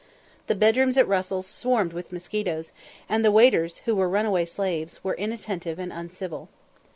The bedrooms at Russell's swarmed with mosquitoes; and the waiters, who were runaway slaves, were inattentive and uncivil.